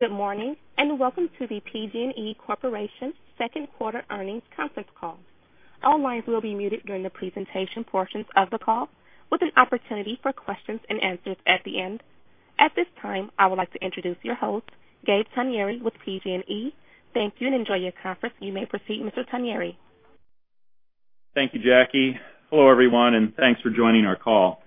Good morning, and welcome to the PG&E Corporation second quarter earnings conference call. All lines will be muted during the presentation portions of the call, with an opportunity for questions and answers at the end. At this time, I would like to introduce your host, Gabriel Togneri, with PG&E. Thank you, and enjoy your conference. You may proceed, Mr. Togneri. Thank you, Jackie. Hello, everyone, and thanks for joining our call.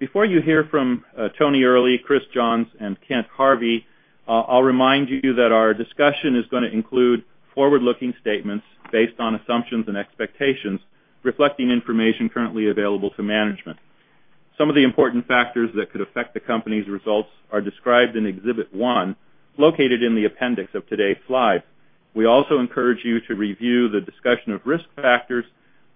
Before you hear from Anthony Earley, Christopher Johns, and Kent Harvey, I'll remind you that our discussion is going to include forward-looking statements based on assumptions and expectations reflecting information currently available to management. Some of the important factors that could affect the company's results are described in Exhibit 1, located in the appendix of today's slides. We also encourage you to review the discussion of risk factors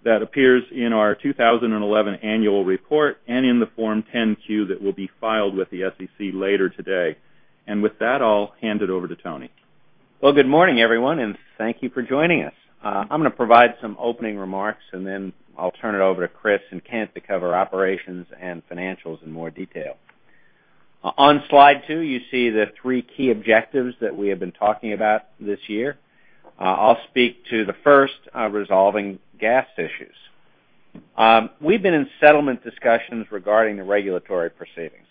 that appears in our 2011 annual report and in the Form 10-Q that will be filed with the SEC later today. With that, I'll hand it over to Tony. Well, good morning, everyone, and thank you for joining us. I'm going to provide some opening remarks, then I'll turn it over to Chris and Kent to cover operations and financials in more detail. On slide two, you see the three key objectives that we have been talking about this year. I'll speak to the first, resolving gas issues. We've been in settlement discussions regarding the regulatory proceedings.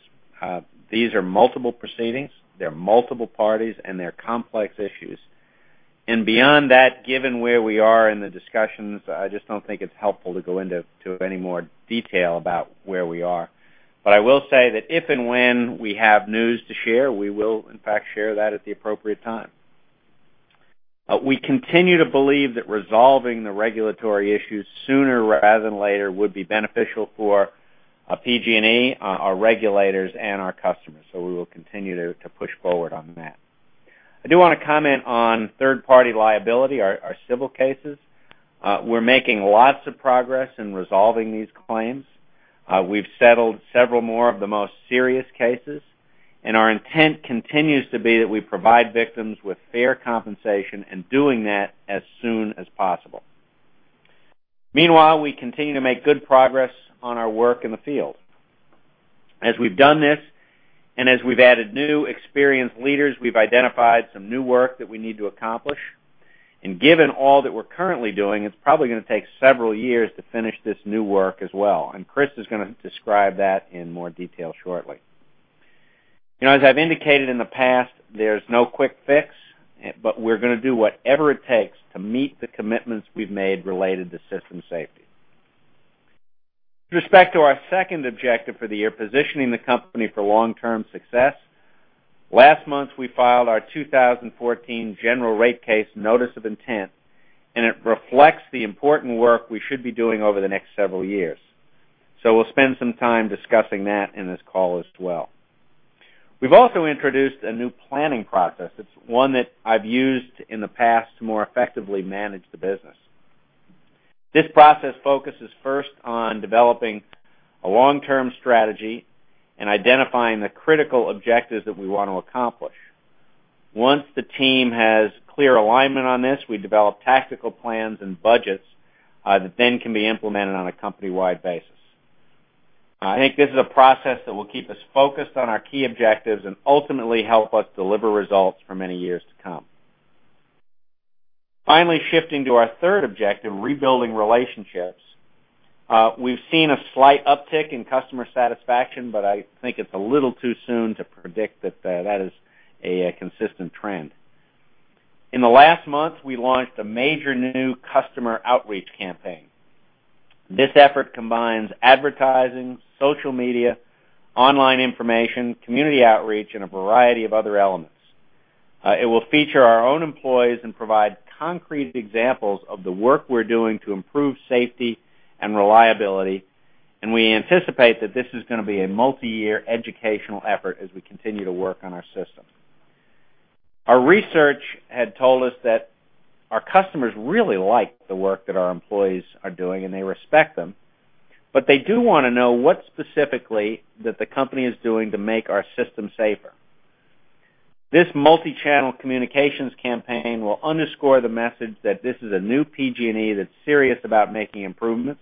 These are multiple proceedings, they're multiple parties, and they're complex issues. Beyond that, given where we are in the discussions, I just don't think it's helpful to go into any more detail about where we are. I will say that if and when we have news to share, we will in fact share that at the appropriate time. We continue to believe that resolving the regulatory issues sooner rather than later would be beneficial for PG&E, our regulators, and our customers. We will continue to push forward on that. I do want to comment on third-party liability, our civil cases. We're making lots of progress in resolving these claims. We've settled several more of the most serious cases, our intent continues to be that we provide victims with fair compensation and doing that as soon as possible. Meanwhile, we continue to make good progress on our work in the field. As we've done this, and as we've added new experienced leaders, we've identified some new work that we need to accomplish. Given all that we're currently doing, it's probably going to take several years to finish this new work as well, and Chris is going to describe that in more detail shortly. As I've indicated in the past, there's no quick fix, but we're going to do whatever it takes to meet the commitments we've made related to system safety. With respect to our second objective for the year, positioning the company for long-term success, last month, we filed our 2014 general rate case notice of intent, and it reflects the important work we should be doing over the next several years. We'll spend some time discussing that in this call as well. We've also introduced a new planning process. It's one that I've used in the past to more effectively manage the business. This process focuses first on developing a long-term strategy and identifying the critical objectives that we want to accomplish. Once the team has clear alignment on this, we develop tactical plans and budgets that then can be implemented on a company-wide basis. I think this is a process that will keep us focused on our key objectives and ultimately help us deliver results for many years to come. Finally, shifting to our third objective, rebuilding relationships. We've seen a slight uptick in customer satisfaction, but I think it's a little too soon to predict that that is a consistent trend. In the last month, we launched a major new customer outreach campaign. This effort combines advertising, social media, online information, community outreach, and a variety of other elements. It will feature our own employees and provide concrete examples of the work we're doing to improve safety and reliability, and we anticipate that this is going to be a multi-year educational effort as we continue to work on our system. Our research had told us that our customers really like the work that our employees are doing, and they respect them, but they do want to know what specifically that the company is doing to make our system safer. This multi-channel communications campaign will underscore the message that this is a new PG&E that's serious about making improvements.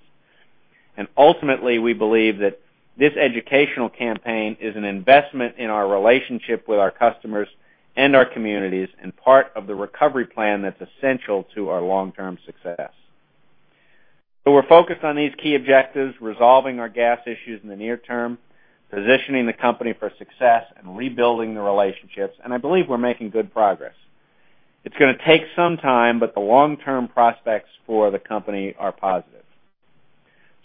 Ultimately, we believe that this educational campaign is an investment in our relationship with our customers and our communities and part of the recovery plan that's essential to our long-term success. We're focused on these key objectives, resolving our gas issues in the near term, positioning the company for success, and rebuilding the relationships, and I believe we're making good progress. It's going to take some time, but the long-term prospects for the company are positive.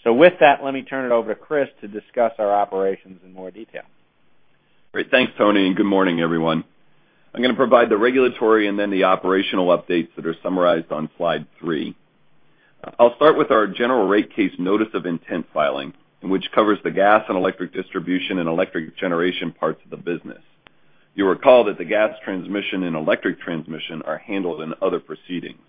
With that, let me turn it over to Chris to discuss our operations in more detail. Great. Thanks, Tony, and good morning, everyone. I'm going to provide the regulatory and then the operational updates that are summarized on slide three. I'll start with our general rate case notice of intent filing, in which covers the gas and electric distribution and electric generation parts of the business. You'll recall that the gas transmission and electric transmission are handled in other proceedings.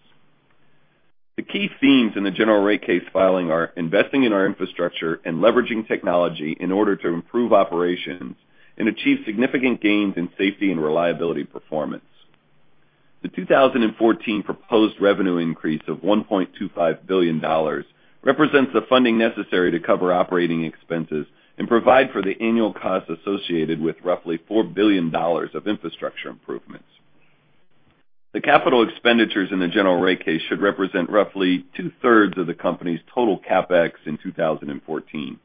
The key themes in the general rate case filing are investing in our infrastructure and leveraging technology in order to improve operations and achieve significant gains in safety and reliability performance. The 2014 proposed revenue increase of $1.25 billion represents the funding necessary to cover operating expenses and provide for the annual costs associated with roughly $4 billion of infrastructure improvements. The capital expenditures in the general rate case should represent roughly two-thirds of the company's total CapEx in 2014.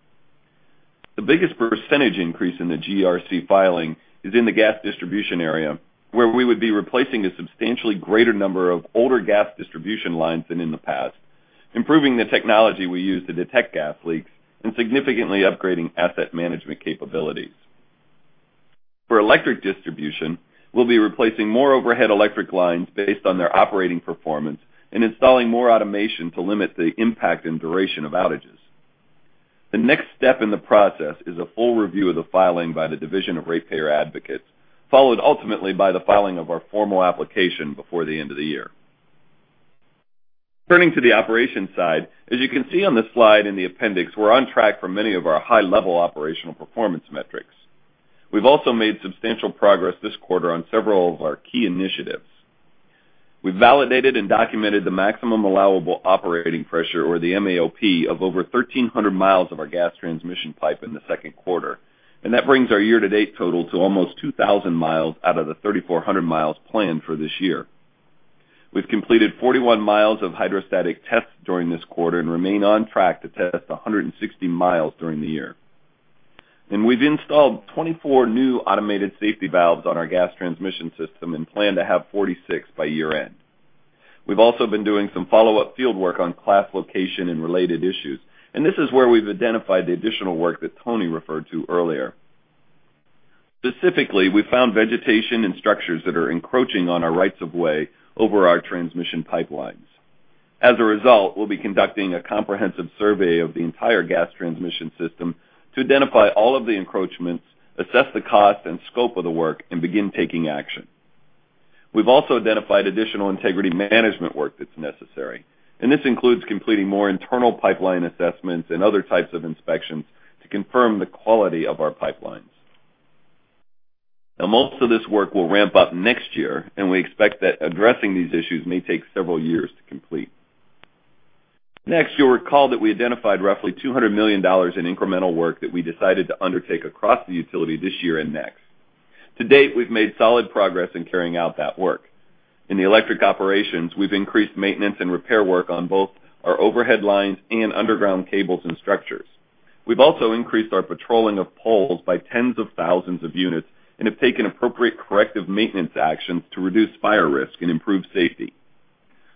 The biggest percentage increase in the GRC filing is in the gas distribution area, where we would be replacing a substantially greater number of older gas distribution lines than in the past, improving the technology we use to detect gas leaks, and significantly upgrading asset management capabilities. For electric distribution, we'll be replacing more overhead electric lines based on their operating performance and installing more automation to limit the impact and duration of outages. The next step in the process is a full review of the filing by the Division of Ratepayer Advocates, followed ultimately by the filing of our formal application before the end of the year. Turning to the operations side, as you can see on the slide in the appendix, we're on track for many of our high-level operational performance metrics. We've also made substantial progress this quarter on several of our key initiatives. We've validated and documented the maximum allowable operating pressure, or the MAOP, of over 1,300 miles of our gas transmission pipe in the second quarter, and that brings our year-to-date total to almost 2,000 miles out of the 3,400 miles planned for this year. We've completed 41 miles of hydrostatic tests during this quarter and remain on track to test 160 miles during the year. We've installed 24 new automated safety valves on our gas transmission system and plan to have 46 by year-end. We've also been doing some follow-up field work on class location and related issues, and this is where we've identified the additional work that Tony referred to earlier. Specifically, we found vegetation and structures that are encroaching on our rights of way over our transmission pipelines. As a result, we'll be conducting a comprehensive survey of the entire gas transmission system to identify all of the encroachments, assess the cost and scope of the work, and begin taking action. We've also identified additional integrity management work that's necessary, and this includes completing more internal pipeline assessments and other types of inspections to confirm the quality of our pipelines. Now, most of this work will ramp up next year, and we expect that addressing these issues may take several years to complete. Next, you'll recall that we identified roughly $200 million in incremental work that we decided to undertake across the utility this year and next. To date, we've made solid progress in carrying out that work. In the electric operations, we've increased maintenance and repair work on both our overhead lines and underground cables and structures. We've also increased our patrolling of poles by tens of thousands of units and have taken appropriate corrective maintenance actions to reduce fire risk and improve safety.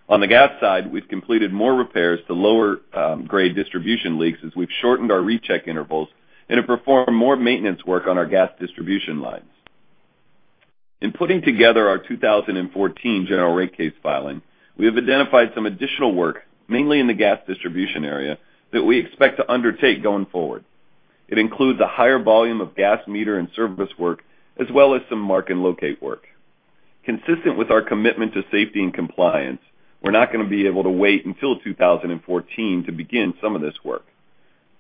On the gas side, we've completed more repairs to lower-grade distribution leaks as we've shortened our recheck intervals and have performed more maintenance work on our gas distribution lines. In putting together our 2014 General Rate Case filing, we have identified some additional work, mainly in the gas distribution area, that we expect to undertake going forward. It includes a higher volume of gas meter and service work, as well as some mark and locate work. Consistent with our commitment to safety and compliance, we're not going to be able to wait until 2014 to begin some of this work.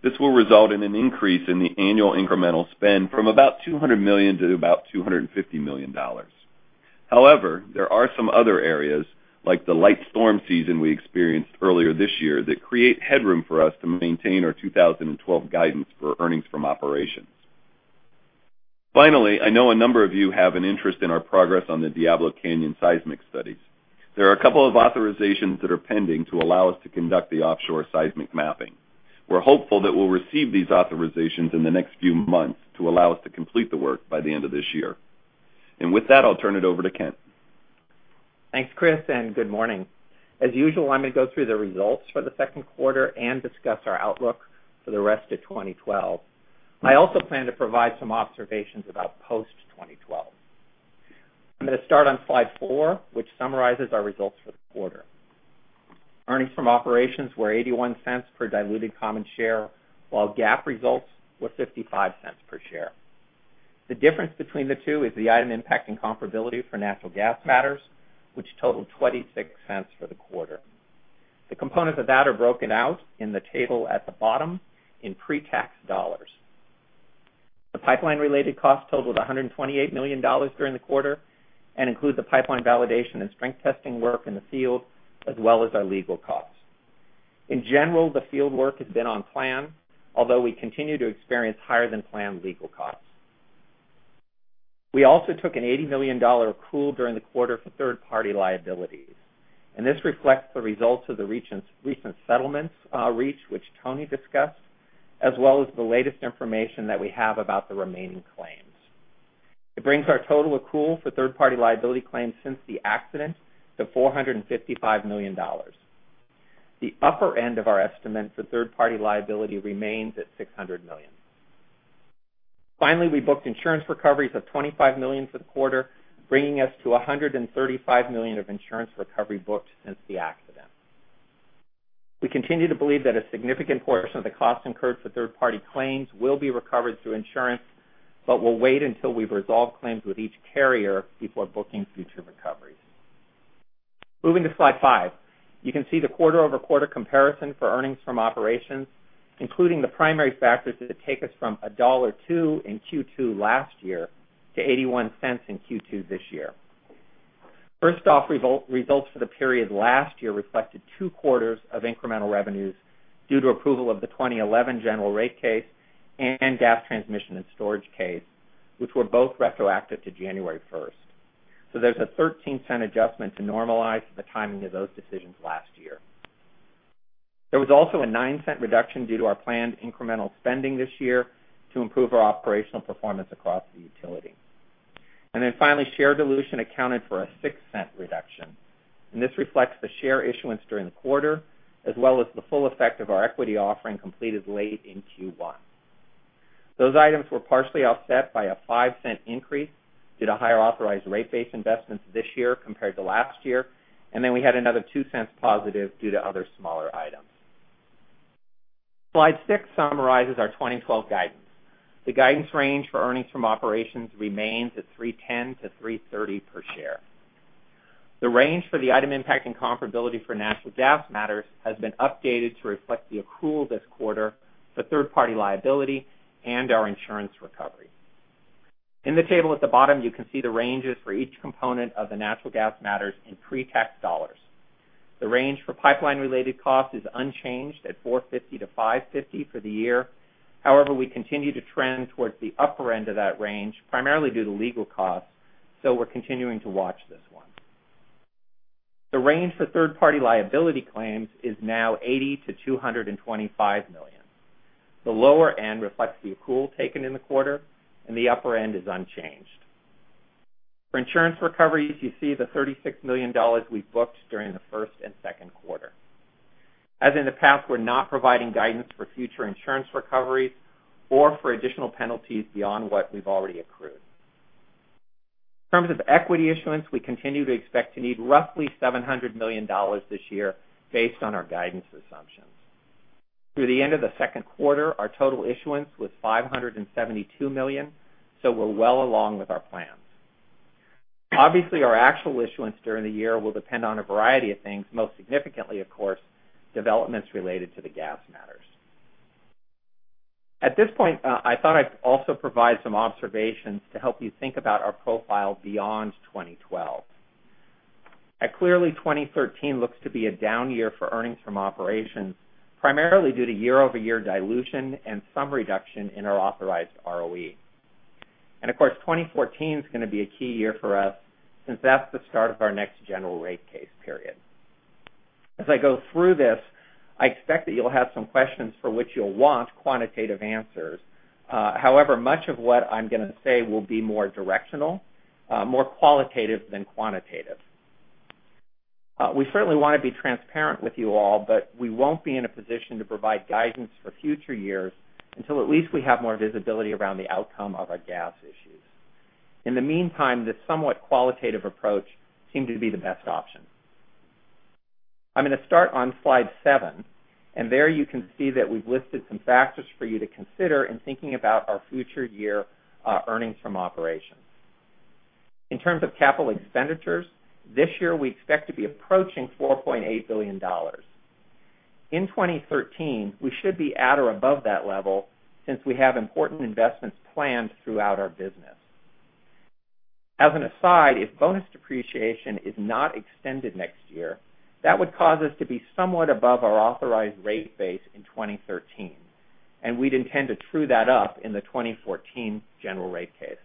This will result in an increase in the annual incremental spend from about $200 million to about $250 million. There are some other areas, like the light storm season we experienced earlier this year, that create headroom for us to maintain our 2012 guidance for earnings from operations. Finally, I know a number of you have an interest in our progress on the Diablo Canyon seismic studies. There are a couple of authorizations that are pending to allow us to conduct the offshore seismic mapping. We're hopeful that we'll receive these authorizations in the next few months to allow us to complete the work by the end of this year. With that, I'll turn it over to Kent. Thanks, Chris, and good morning. As usual, I'm going to go through the results for the second quarter and discuss our outlook for the rest of 2012. I also plan to provide some observations about post-2012. I'm going to start on slide four, which summarizes our results for the quarter. Earnings from operations were $0.81 per diluted common share, while GAAP results were $0.55 per share. The difference between the two is the item impacting comparability for natural gas matters, which totaled $0.26 for the quarter. The components of that are broken out in the table at the bottom in pre-tax dollars. The pipeline-related costs totaled $128 million during the quarter and includes the pipeline validation and strength testing work in the field, as well as our legal costs. In general, the field work has been on plan, although we continue to experience higher-than-planned legal costs. We also took an $80 million accrual during the quarter for third-party liabilities. This reflects the results of the recent settlements reached, which Tony discussed, as well as the latest information that we have about the remaining claims. It brings our total accrual for third-party liability claims since the accident to $455 million. The upper end of our estimate for third-party liability remains at $600 million. We booked insurance recoveries of $25 million for the quarter, bringing us to $135 million of insurance recovery booked since the accident. We continue to believe that a significant portion of the cost incurred for third-party claims will be recovered through insurance, but we'll wait until we've resolved claims with each carrier before booking future recoveries. Moving to slide five. You can see the quarter-over-quarter comparison for earnings from operations, including the primary factors that take us from $1.02 in Q2 last year to $0.81 in Q2 this year. Results for the period last year reflected two quarters of incremental revenues due to approval of the 2011 general rate case and gas transmission and storage case, which were both retroactive to January 1st. There's a $0.13 adjustment to normalize the timing of those decisions last year. There was also a $0.09 reduction due to our planned incremental spending this year to improve our operational performance across the utility. Finally, share dilution accounted for a $0.06 reduction, and this reflects the share issuance during the quarter, as well as the full effect of our equity offering completed late in Q1. Those items were partially offset by a $0.05 increase due to higher authorized rate base investments this year compared to last year. We had another $0.02 positive due to other smaller items. Slide six summarizes our 2012 guidance. The guidance range for earnings from operations remains at $3.10-$3.30 per share. The range for the item impacting comparability for natural gas matters has been updated to reflect the accrual this quarter for third-party liability and our insurance recovery. In the table at the bottom, you can see the ranges for each component of the natural gas matters in pre-tax dollars. The range for pipeline-related costs is unchanged at $450 million-$550 million for the year. However, we continue to trend towards the upper end of that range, primarily due to legal costs. We're continuing to watch this one. The range for third-party liability claims is now $80 million-$225 million. The lower end reflects the accrual taken in the quarter, and the upper end is unchanged. For insurance recoveries, you see the $36 million we booked during the first and second quarter. As in the past, we're not providing guidance for future insurance recoveries or for additional penalties beyond what we've already accrued. In terms of equity issuance, we continue to expect to need roughly $700 million this year based on our guidance assumptions. Through the end of the second quarter, our total issuance was $572 million. We're well along with our plans. Obviously, our actual issuance during the year will depend on a variety of things, most significantly, of course, developments related to the gas matters. At this point, I thought I'd also provide some observations to help you think about our profile beyond 2012. Clearly, 2013 looks to be a down year for earnings from operations, primarily due to year-over-year dilution and some reduction in our authorized ROE. Of course, 2014 is going to be a key year for us since that's the start of our next general rate case period. As I go through this, I expect that you'll have some questions for which you'll want quantitative answers. However, much of what I'm going to say will be more directional, more qualitative than quantitative. We certainly want to be transparent with you all, but we won't be in a position to provide guidance for future years until at least we have more visibility around the outcome of our gas issues. In the meantime, this somewhat qualitative approach seemed to be the best option. I'm going to start on slide seven. There you can see that we've listed some factors for you to consider in thinking about our future year earnings from operations. In terms of capital expenditures, this year, we expect to be approaching $4.8 billion. In 2013, we should be at or above that level since we have important investments planned throughout our business. As an aside, if bonus depreciation is not extended next year, that would cause us to be somewhat above our authorized rate base in 2013. We'd intend to true that up in the 2014 general rate case.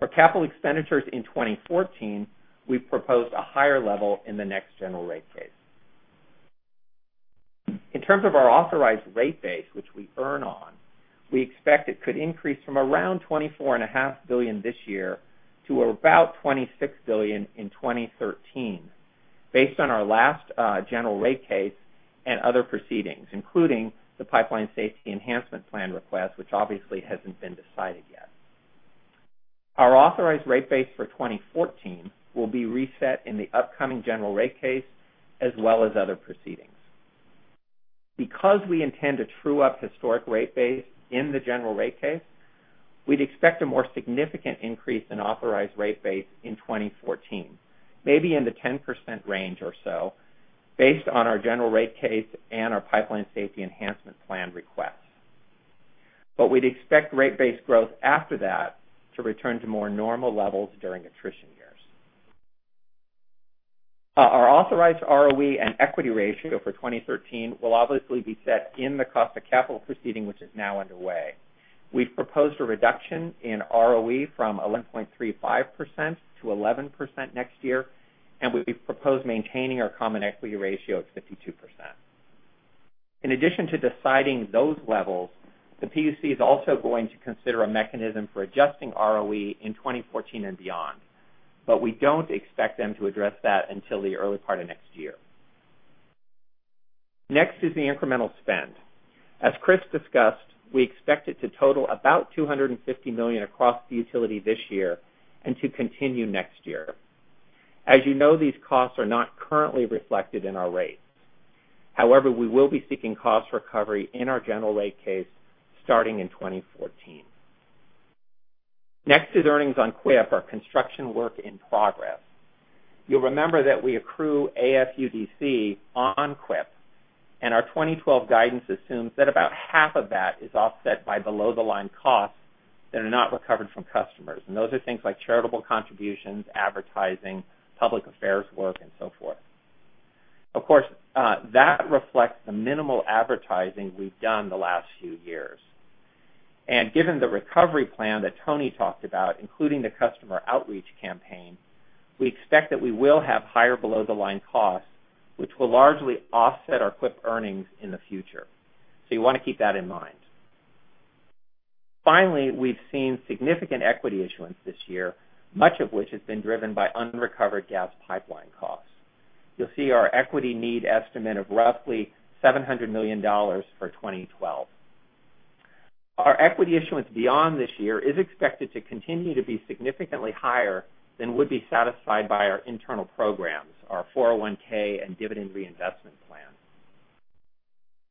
For capital expenditures in 2014, we've proposed a higher level in the next general rate case. In terms of our authorized rate base, which we earn on, we expect it could increase from around $24.5 billion this year to about $26 billion in 2013, based on our last general rate case and other proceedings, including the Pipeline Safety Enhancement Plan request, which obviously hasn't been decided yet. Our authorized rate base for 2014 will be reset in the upcoming general rate case, as well as other proceedings. Because we intend to true up historic rate base in the general rate case, we'd expect a more significant increase in authorized rate base in 2014, maybe in the 10% range or so, based on our general rate case and our Pipeline Safety Enhancement Plan request. We'd expect rate base growth after that to return to more normal levels during attrition years. Our authorized ROE and equity ratio for 2013 will obviously be set in the cost of capital proceeding, which is now underway. We've proposed a reduction in ROE from 11.35% to 11% next year. We've proposed maintaining our common equity ratio at 52%. In addition to deciding those levels, the PUC is also going to consider a mechanism for adjusting ROE in 2014 and beyond. We don't expect them to address that until the early part of next year. Next is the incremental spend. As Chris discussed, we expect it to total about $250 million across the utility this year and to continue next year. As you know, these costs are not currently reflected in our rates. However, we will be seeking cost recovery in our general rate case starting in 2014. Next to the earnings on CWIP are construction work in progress. You'll remember that we accrue AFUDC on CWIP. Our 2012 guidance assumes that about half of that is offset by below-the-line costs that are not recovered from customers. Those are things like charitable contributions, advertising, public affairs work, and so forth. Of course, that reflects the minimal advertising we've done the last few years. Given the recovery plan that Tony talked about, including the customer outreach campaign, we expect that we will have higher below-the-line costs, which will largely offset our CWIP earnings in the future. You want to keep that in mind. Finally, we've seen significant equity issuance this year, much of which has been driven by unrecovered gas pipeline costs. You'll see our equity need estimate of roughly $700 million for 2012. Our equity issuance beyond this year is expected to continue to be significantly higher than would be satisfied by our internal programs, our 401 and dividend reinvestment plan.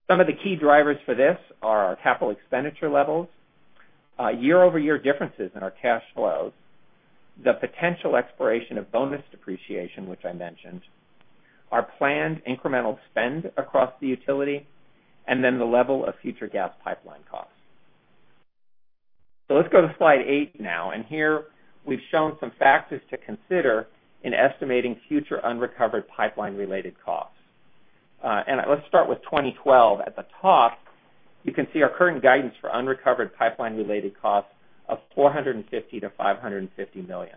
Some of the key drivers for this are our capital expenditure levels, year-over-year differences in our cash flows, the potential expiration of bonus depreciation, which I mentioned, our planned incremental spend across the utility, and then the level of future gas pipeline costs. Let's go to slide eight now. Here we've shown some factors to consider in estimating future unrecovered pipeline-related costs. Let's start with 2012. At the top, you can see our current guidance for unrecovered pipeline-related costs of $450 million-$550 million.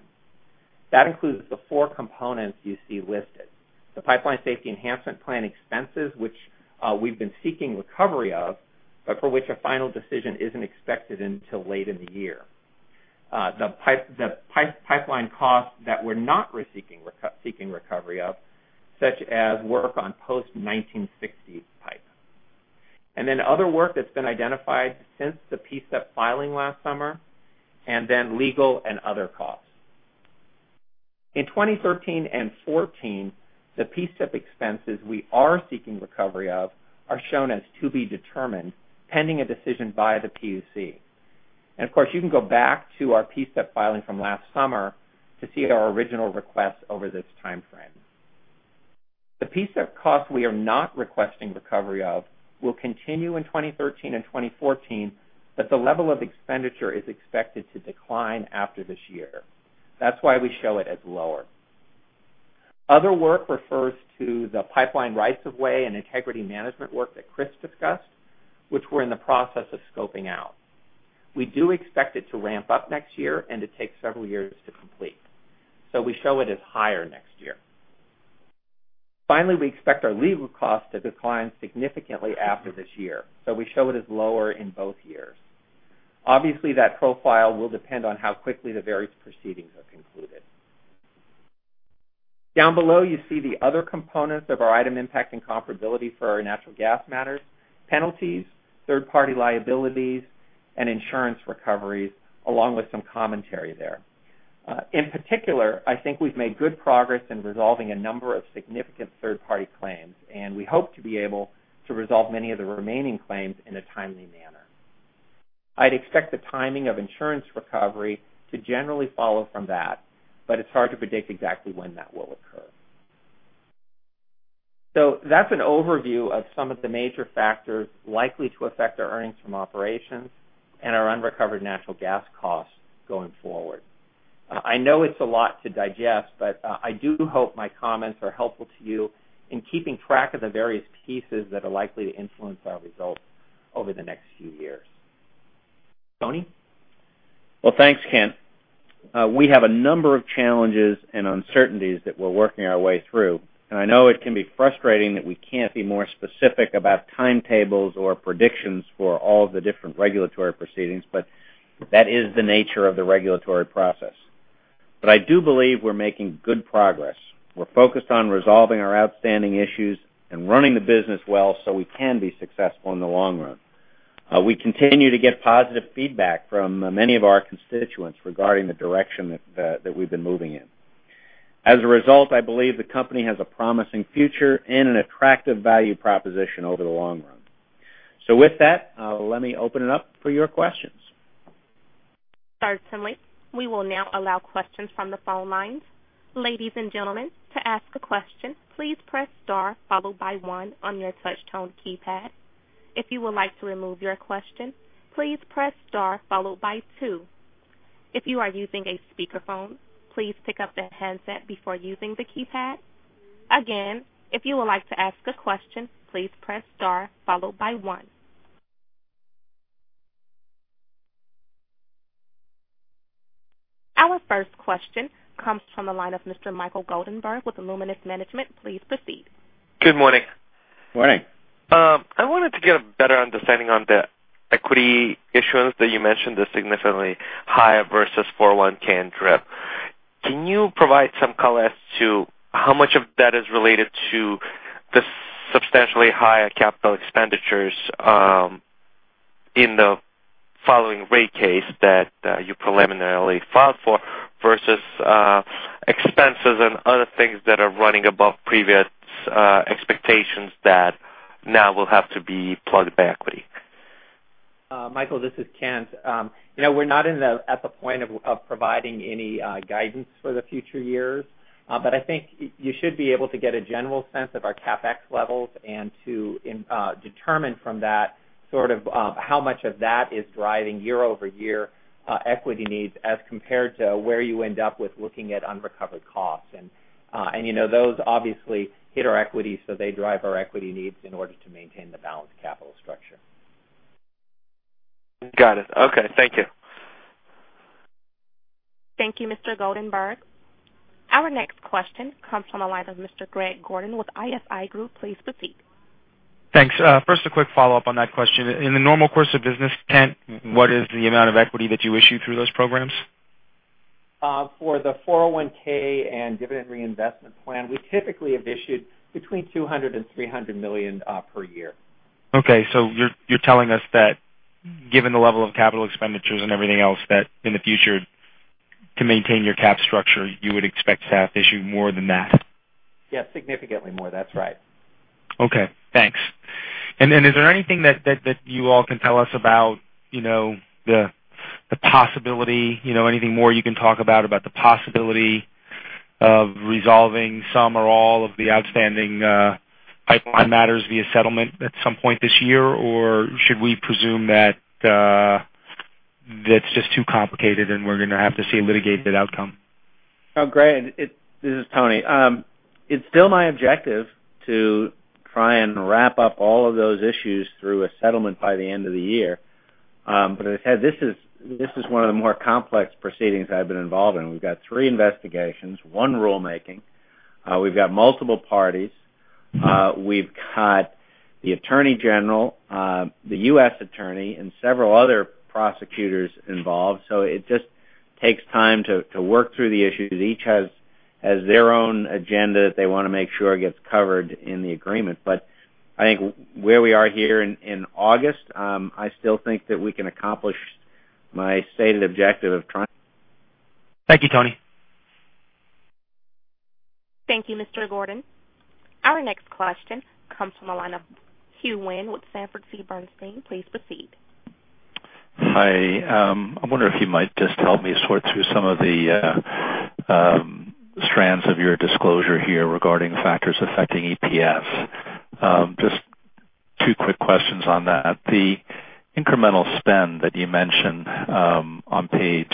That includes the four components you see listed. The Pipeline Safety Enhancement Plan expenses, which we've been seeking recovery of, but for which a final decision isn't expected until late in the year. The pipeline costs that we're not seeking recovery of, such as work on post-1960s pipe. Other work that's been identified since the PSEP filing last summer, and then legal and other costs. In 2013 and 2014, the PSEP expenses we are seeking recovery of are shown as to be determined, pending a decision by the PUC. Of course, you can go back to our PSEP filing from last summer to see our original request over this timeframe. The PSEP cost we are not requesting recovery of will continue in 2013 and 2014, but the level of expenditure is expected to decline after this year. That's why we show it as lower. Other work refers to the pipeline rights of way and integrity management work that Chris discussed, which we're in the process of scoping out. We do expect it to ramp up next year and to take several years to complete. We show it as higher next year. Finally, we expect our legal cost to decline significantly after this year, so we show it as lower in both years. Obviously, that profile will depend on how quickly the various proceedings are concluded. Down below, you see the other components of our item impacting comparability for our natural gas matters, penalties, third-party liabilities, and insurance recoveries, along with some commentary there. In particular, I think we've made good progress in resolving a number of significant third-party claims, and we hope to be able to resolve many of the remaining claims in a timely manner. I'd expect the timing of insurance recovery to generally follow from that, but it's hard to predict exactly when that will occur. That's an overview of some of the major factors likely to affect our earnings from operations and our unrecovered natural gas costs going forward. I know it's a lot to digest, but I do hope my comments are helpful to you in keeping track of the various pieces that are likely to influence our results over the next few years. Tony? Thanks, Kent. We have a number of challenges and uncertainties that we're working our way through, I know it can be frustrating that we can't be more specific about timetables or predictions for all the different regulatory proceedings, That is the nature of the regulatory process. I do believe we're making good progress. We're focused on resolving our outstanding issues and running the business well so we can be successful in the long run. We continue to get positive feedback from many of our constituents regarding the direction that we've been moving in. As a result, I believe the company has a promising future and an attractive value proposition over the long run. With that, let me open it up for your questions. Certainly. We will now allow questions from the phone lines. Ladies and gentlemen, to ask a question, please press star followed by 1 on your touch tone keypad. If you would like to remove your question, please press star followed by 2. If you are using a speakerphone, please pick up the handset before using the keypad. Again, if you would like to ask a question, please press star followed by 1. Our first question comes from the line of Mr. Michael Goldenberg with Luminus Management. Please proceed. Good morning. Morning. I wanted to get a better understanding on the equity issuance that you mentioned is significantly higher versus 401 and DRIP. Can you provide some color as to how much of that is related to the substantially higher capital expenditures in the following rate case that you preliminarily filed for versus expenses and other things that are running above previous expectations that Now will have to be plugged by equity. Michael, this is Kent. We're not at the point of providing any guidance for the future years. I think you should be able to get a general sense of our CapEx levels and to determine from that sort of how much of that is driving year-over-year equity needs as compared to where you end up with looking at unrecovered costs. Those obviously hit our equity, so they drive our equity needs in order to maintain the balanced capital structure. Got it. Okay. Thank you. Thank you, Mr. Goldenberg. Our next question comes from the line of Mr. Greg Gordon with ISI Group. Please proceed. Thanks. First, a quick follow-up on that question. In the normal course of business, Kent, what is the amount of equity that you issue through those programs? For the 401(k) and dividend reinvestment plan, we typically have issued between $200 million and $300 million per year. Okay. You're telling us that given the level of capital expenditures and everything else, that in the future, to maintain your cap structure, you would expect to have issued more than that? Yes, significantly more. That's right. Is there anything that you all can tell us about the possibility, anything more you can talk about the possibility of resolving some or all of the outstanding pipeline matters via settlement at some point this year? Or should we presume that's just too complicated, and we're going to have to see a litigated outcome? Greg, this is Tony. It's still my objective to try and wrap up all of those issues through a settlement by the end of the year. As I said, this is one of the more complex proceedings I've been involved in. We've got 3 investigations, 1 rulemaking. We've got multiple parties. We've got the attorney general, the U.S. attorney, and several other prosecutors involved. It just takes time to work through the issues. Each has their own agenda that they want to make sure gets covered in the agreement. I think where we are here in August, I still think that we can accomplish my stated objective of trying. Thank you, Tony. Thank you, Mr. Gordon. Our next question comes from the line of Hugh Wynne with Sanford C. Bernstein. Please proceed. Hi. I wonder if you might just help me sort through some of the strands of your disclosure here regarding factors affecting EPS. Just two quick questions on that. The incremental spend that you mentioned on page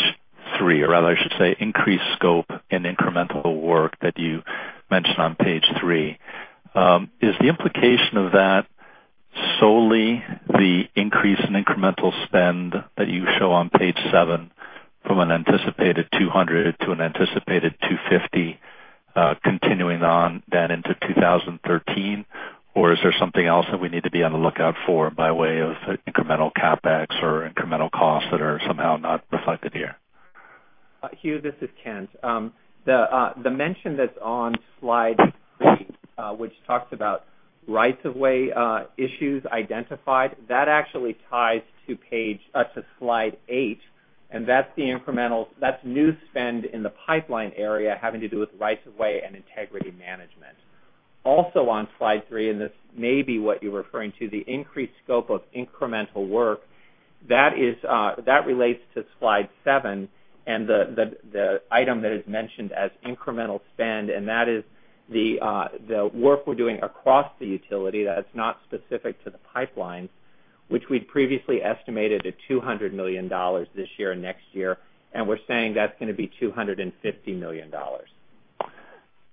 three, or rather, I should say increased scope and incremental work that you mentioned on page three. Is the implication of that solely the increase in incremental spend that you show on page seven from an anticipated $200 to an anticipated $250 continuing on into 2013? Or is there something else that we need to be on the lookout for by way of incremental CapEx or incremental costs that are somehow not reflected here? Hugh, this is Kent. The mention that's on slide three, which talks about rights of way issues identified, that actually ties to slide eight. That's new spend in the pipeline area having to do with rights of way and integrity management. Also on slide three, and this may be what you're referring to, the increased scope of incremental work. That relates to slide seven and the item that is mentioned as incremental spend, and that is the work we're doing across the utility that is not specific to the pipelines, which we'd previously estimated at $200 million this year and next year, and we're saying that's going to be $250 million.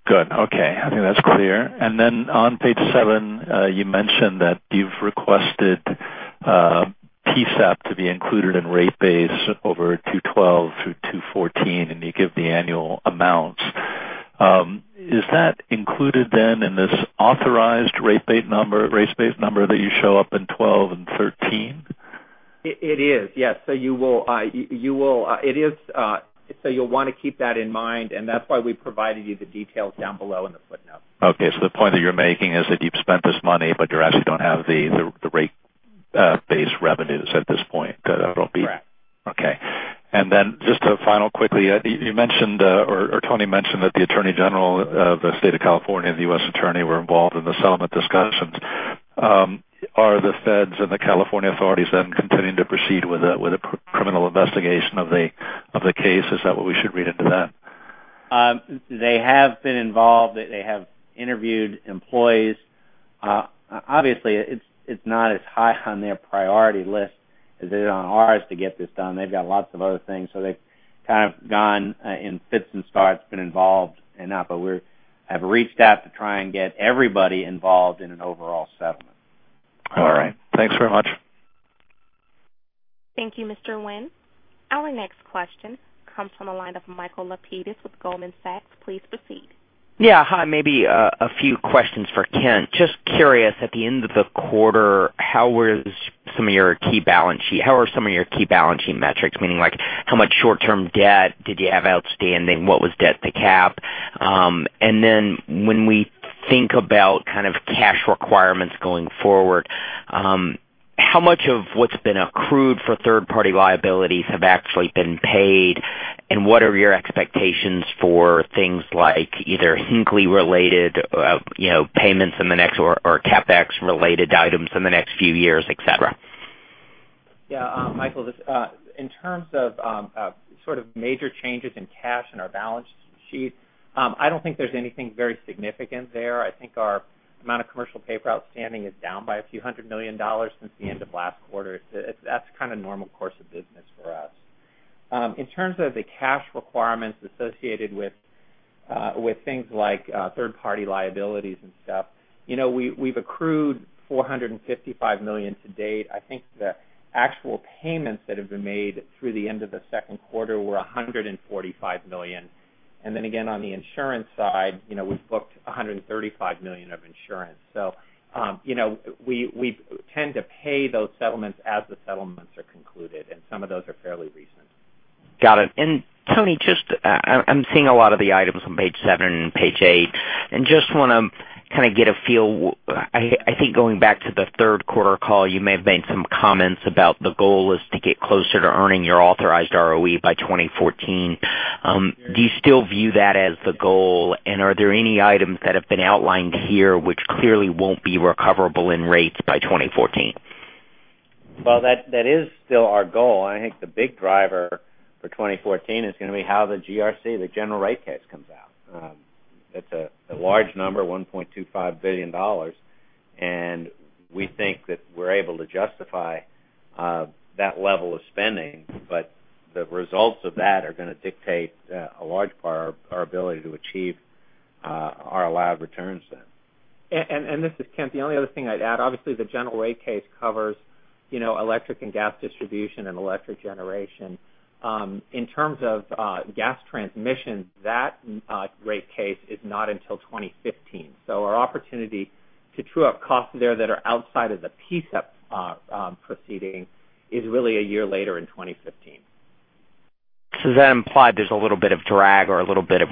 Good. Okay. I think that's clear. On page seven, you mentioned that you've requested PSEP to be included in rate base over 2012 through 2014, and you give the annual amounts. Is that included then in this authorized rate base number that you show up in 2012 and 2013? It is, yes. You'll want to keep that in mind, and that's why we provided you the details down below in the footnote. Okay. The point that you're making is that you've spent this money, but you actually don't have the rate base revenues at this point. Is that what I'll be? Correct. Okay. Just a final quickly, you mentioned, or Tony mentioned that the attorney general of the state of California and the U.S. attorney were involved in the settlement discussions. Are the feds and the California authorities then continuing to proceed with a criminal investigation of the case? Is that what we should read into that? They have been involved. They have interviewed employees. Obviously, it's not as high on their priority list as it is on ours to get this done. They've got lots of other things, so they've kind of gone in fits and starts, been involved and not, but we have reached out to try and get everybody involved in an overall settlement. All right. Thanks very much. Thank you, Mr. Wynne. Our next question comes from the line of Michael Lapides with Goldman Sachs. Please proceed. Yeah. Hi, maybe a few questions for Kent. Just curious, at the end of the quarter, how are some of your key balance sheet metrics? Meaning, like, how much short-term debt did you have outstanding? What was debt to cap? When we think about kind of cash requirements going forward? How much of what's been accrued for third-party liabilities have actually been paid, and what are your expectations for things like either Hinkley-related payments or CapEx-related items in the next few years, et cetera? Yeah. Michael, in terms of major changes in cash in our balance sheet, I don't think there's anything very significant there. I think our amount of commercial paper outstanding is down by a few hundred million dollars since the end of last quarter. That's kind of normal course of business for us. In terms of the cash requirements associated with things like third-party liabilities and stuff, we've accrued $455 million to date. I think the actual payments that have been made through the end of the second quarter were $145 million. Again, on the insurance side, we've booked $135 million of insurance. We tend to pay those settlements as the settlements are concluded, and some of those are fairly recent. Got it. Tony, I'm seeing a lot of the items on page seven and page eight, just want to get a feel. I think going back to the third quarter call, you may have made some comments about the goal is to get closer to earning your authorized ROE by 2014. Do you still view that as the goal, are there any items that have been outlined here which clearly won't be recoverable in rates by 2014? Well, that is still our goal. I think the big driver for 2014 is going to be how the GRC, the general rate case, comes out. It's a large number, $1.25 billion, and we think that we're able to justify that level of spending. The results of that are going to dictate a large part of our ability to achieve our allowed returns then. This is Kent. The only other thing I'd add, obviously, the general rate case covers electric and gas distribution and electric generation. In terms of gas transmission, that rate case is not until 2015. Our opportunity to true up costs there that are outside of the PSEP proceeding is really a year later in 2015. Does that imply there's a little bit of drag or a little bit of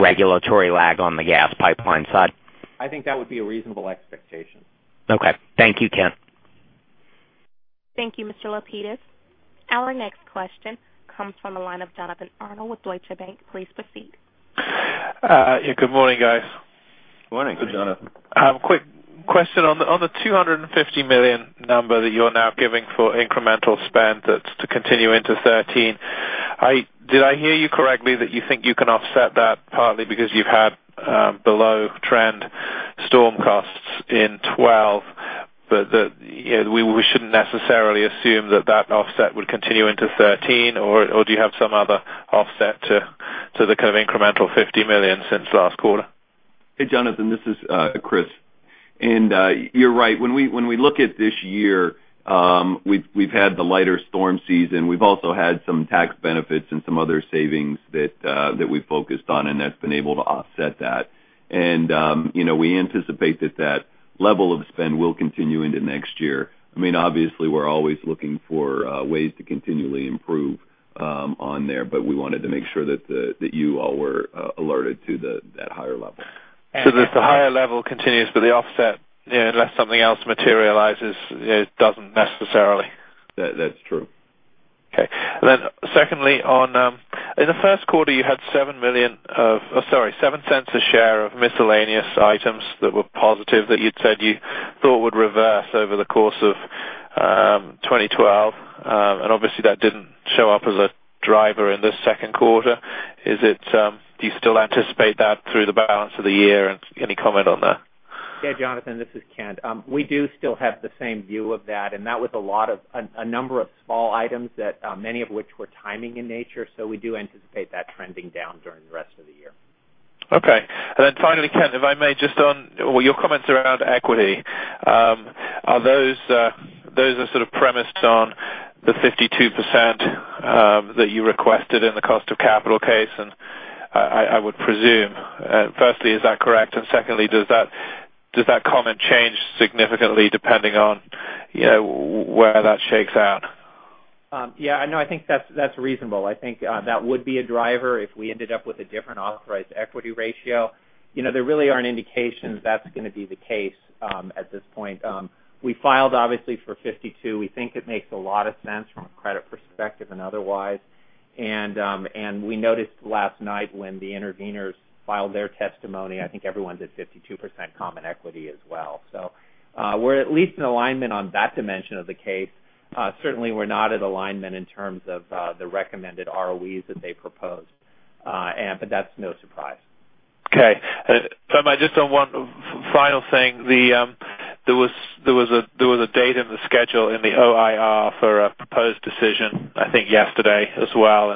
regulatory lag on the gas pipeline side? I think that would be a reasonable expectation. Okay. Thank you, Kent. Thank you, Mr. Lapidus. Our next question comes from the line of Jonathan Arnold with Deutsche Bank. Please proceed. Good morning, guys. Morning, Jonathan. Quick question. On the $250 million number that you're now giving for incremental spend that's to continue into 2013, did I hear you correctly that you think you can offset that partly because you've had below-trend storm costs in 2012, but that we shouldn't necessarily assume that that offset would continue into 2013? Or do you have some other offset to the kind of incremental $50 million since last quarter? Hey, Jonathan, this is Chris. You're right. When we look at this year, we've had the lighter storm season. We've also had some tax benefits and some other savings that we've focused on, that's been able to offset that. We anticipate that that level of spend will continue into next year. Obviously, we're always looking for ways to continually improve on there, we wanted to make sure that you all were alerted to that higher level. If the higher level continues, the offset, unless something else materializes, it doesn't necessarily. That's true. Okay. Secondly, in the first quarter, you had $0.07 a share of miscellaneous items that were positive that you'd said you thought would reverse over the course of 2012. Obviously, that didn't show up as a driver in this second quarter. Do you still anticipate that through the balance of the year? Any comment on that? Yeah, Jonathan, this is Kent. We do still have the same view of that was a number of small items that many of which were timing in nature. We do anticipate that trending down during the rest of the year. Okay. Finally, Kent, if I may, just on your comments around equity. Those are sort of premised on the 52% that you requested in the cost of capital case, I would presume. Firstly, is that correct, and secondly, does that comment change significantly depending on where that shakes out? Yeah. No, I think that's reasonable. I think that would be a driver if we ended up with a different authorized equity ratio. There really aren't indications that's going to be the case at this point. We filed, obviously, for 52%. We think it makes a lot of sense from a credit perspective and otherwise. We noticed last night when the interveners filed their testimony, I think everyone did 52% common equity as well. We're at least in alignment on that dimension of the case. Certainly, we're not at alignment in terms of the recommended ROEs that they proposed, that's no surprise. Okay. If I may, just on one final thing. There was a date in the schedule in the OIR for a proposed decision, I think yesterday as well.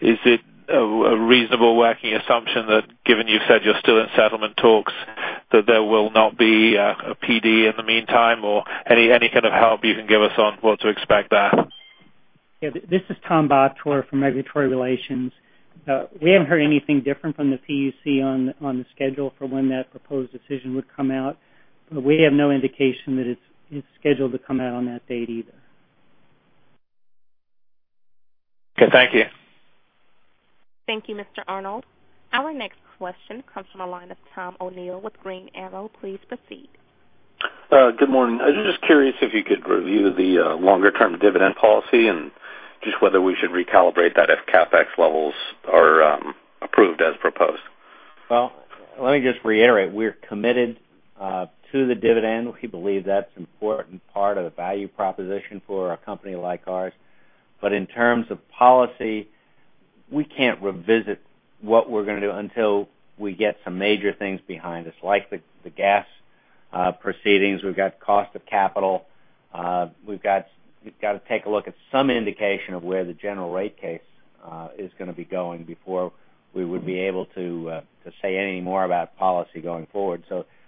Is it a reasonable working assumption that given you said you're still in settlement talks, that there will not be a PD in the meantime, or any kind of help you can give us on what to expect there? Yeah. This is Tom Bottorff from Regulatory Relations. We haven't heard anything different from the PUC on the schedule for when that proposed decision would come out, but we have no indication that it's scheduled to come out on that date either. Okay, thank you. Thank you, Mr. Arnold. Our next question comes from the line of Tom O'Neil with Green Arrow. Please proceed. Good morning. I was just curious if you could review the longer-term dividend policy and just whether we should recalibrate that if CapEx levels are approved as proposed. Let me just reiterate, we're committed to the dividend. We believe that's an important part of the value proposition for a company like ours. In terms of policy, we can't revisit what we're going to do until we get some major things behind us, like the gas proceedings. We've got cost of capital. We've got to take a look at some indication of where the general rate case is going to be going before we would be able to say any more about policy going forward.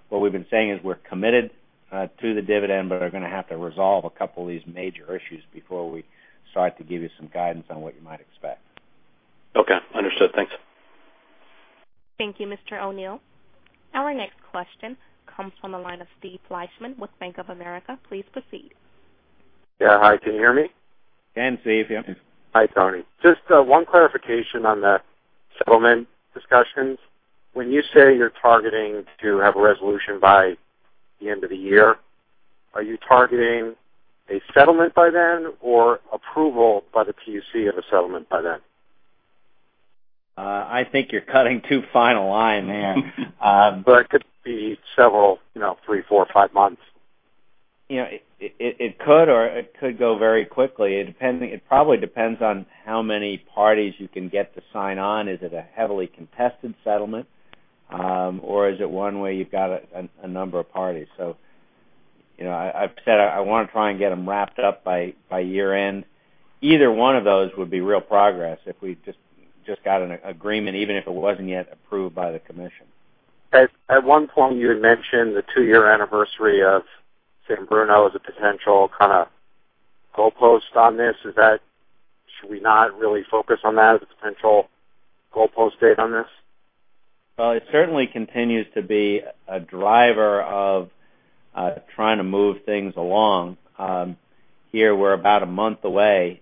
What we've been saying is we're committed to the dividend, but are going to have to resolve a couple of these major issues before we start to give you some guidance on what you might expect. Understood. Thanks. Thank you, Mr. O'Neil. Our next question comes from the line of Steven Fleishman with Bank of America. Please proceed. Yeah. Hi, can you hear me? Can, Steve. Yep. Hi, Tony. Just one clarification on the settlement discussions. When you say you're targeting to have a resolution by the end of the year, are you targeting a settlement by then or approval by the PUC of a settlement by then? I think you're cutting too fine a line there. It could be several, three, four, five months. It could, or it could go very quickly. It probably depends on how many parties you can get to sign on. Is it a heavily contested settlement? Or is it one way you've got a number of parties? I've said I want to try and get them wrapped up by year-end. Either one of those would be real progress if we just got an agreement, even if it wasn't yet approved by the Commission. At one point, you had mentioned the two-year anniversary of San Bruno as a potential kind of goalpost on this. Should we not really focus on that as a potential goalpost date on this? Well, it certainly continues to be a driver of trying to move things along. Here, we're about a month away.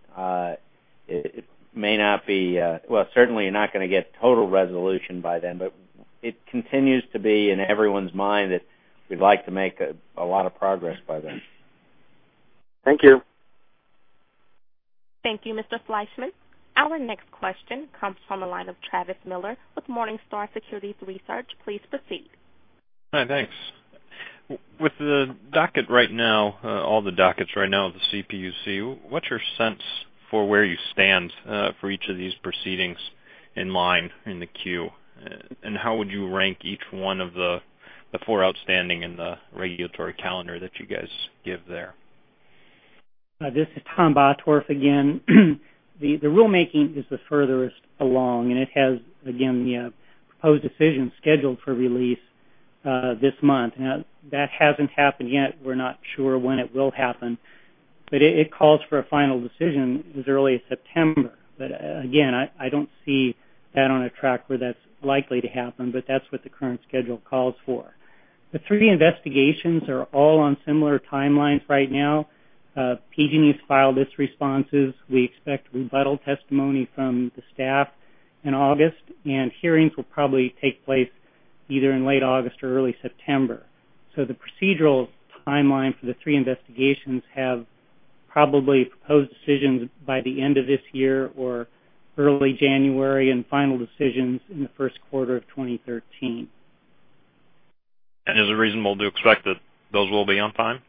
Certainly, you're not going to get total resolution by then, but it continues to be in everyone's mind that we'd like to make a lot of progress by then. Thank you. Thank you, Mr. Fleishman. Our next question comes from the line of Travis Miller with Morningstar Securities Research. Please proceed. Hi, thanks. With the docket right now, all the dockets right now of the CPUC, what's your sense for where you stand for each of these proceedings in line in the queue? How would you rank each one of the four outstanding in the regulatory calendar that you guys give there? This is Tom Bottorff again. The rulemaking is the furthest along, it has, again, the proposed decision scheduled for release this month. That hasn't happened yet. We're not sure when it will happen, it calls for a final decision as early as September. Again, I don't see that on a track where that's likely to happen, but that's what the current schedule calls for. The three investigations are all on similar timelines right now. PG&E's filed its responses. We expect rebuttal testimony from the staff in August, hearings will probably take place either in late August or early September. The procedural timeline for the three investigations have probably proposed decisions by the end of this year or early January and final decisions in the first quarter of 2013. Is it reasonable to expect that those will be on time?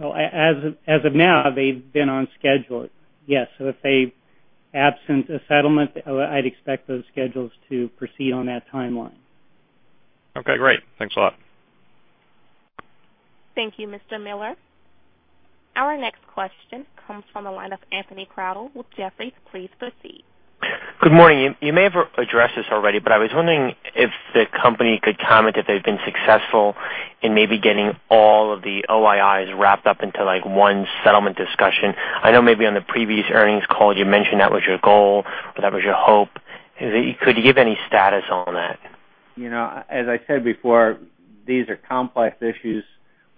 Well, as of now, they've been on schedule. Yes. If they absent a settlement, I'd expect those schedules to proceed on that timeline. Okay, great. Thanks a lot. Thank you, Mr. Miller. Our next question comes from the line of Anthony Crowdell with Jefferies. Please proceed. Good morning. You may have addressed this already. I was wondering if the company could comment if they've been successful in maybe getting all of the OIRs wrapped up into one settlement discussion. I know maybe on the previous earnings call you mentioned that was your goal or that was your hope. Could you give any status on that? As I said before, these are complex issues.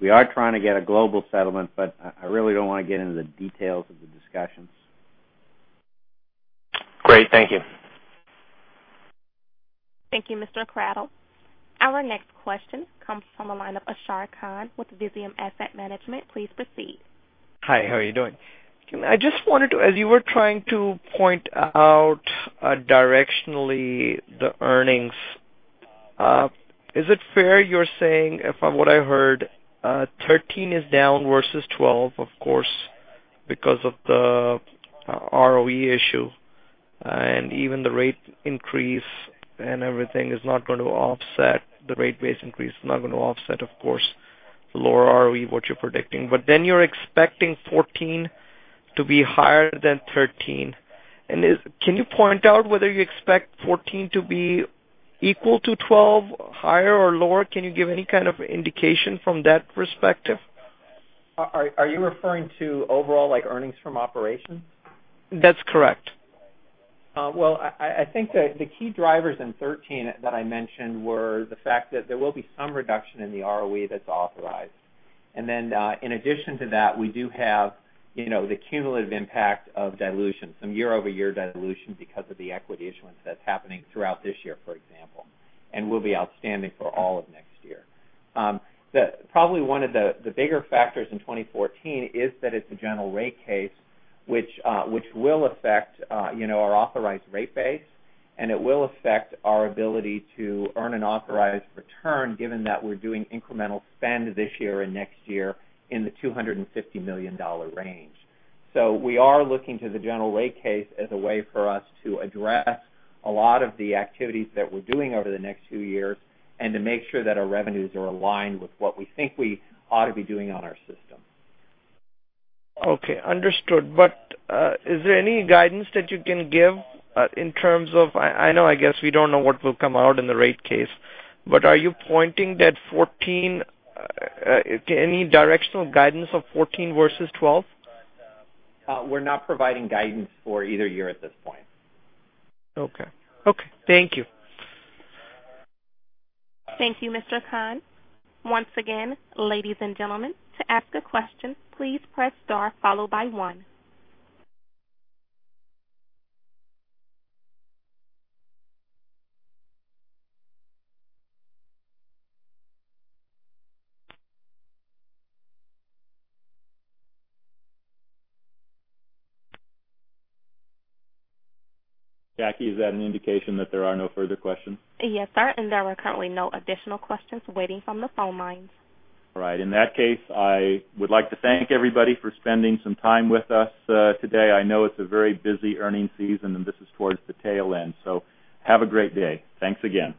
We are trying to get a global settlement, but I really don't want to get into the details of the discussions. Great. Thank you. Thank you, Mr. Crowdell. Our next question comes from the line of Ashar Khan with Visium Asset Management. Please proceed. Hi, how are you doing? As you were trying to point out directionally the earnings, is it fair you're saying, from what I heard, 2013 is down versus 2012, of course, because of the ROE issue. Even the rate increase and everything is not going to offset the rate base increase. It's not going to offset, of course, the lower ROE, what you're predicting. You're expecting 2014 to be higher than 2013. Can you point out whether you expect 2014 to be equal to 2012, higher or lower? Can you give any kind of indication from that perspective? Are you referring to overall earnings from operations? That's correct. Well, I think the key drivers in 2013 that I mentioned were the fact that there will be some reduction in the ROE that's authorized. In addition to that, we do have the cumulative impact of dilution, some year-over-year dilution because of the equity issuance that's happening throughout this year, for example, and will be outstanding for all of next year. Probably one of the bigger factors in 2014 is that it's a general rate case, which will affect our authorized rate base, and it will affect our ability to earn an authorized return, given that we're doing incremental spend this year and next year in the $250 million range. We are looking to the General Rate Case as a way for us to address a lot of the activities that we're doing over the next few years and to make sure that our revenues are aligned with what we think we ought to be doing on our system. Okay, understood. Is there any guidance that you can give in terms of, I know, I guess we don't know what will come out in the Rate Case, are you pointing that 2014, any directional guidance of 2014 versus 2012? We're not providing guidance for either year at this point. Okay. Thank you. Thank you, Mr. Khan. Once again, ladies and gentlemen, to ask a question, please press star followed by one. Jackie, is that an indication that there are no further questions? Yes, sir. There are currently no additional questions waiting from the phone lines. All right. In that case, I would like to thank everybody for spending some time with us today. I know it's a very busy earnings season, and this is towards the tail end, so have a great day. Thanks again.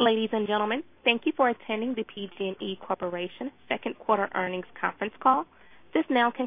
Ladies and gentlemen, thank you for attending the PG&E Corporation second quarter earnings conference call. This now.